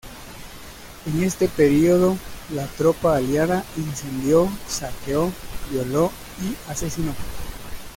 En este período la tropa aliada incendió, saqueó, violó y asesinó.